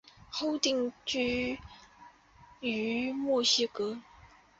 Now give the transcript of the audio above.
后定居于墨西哥。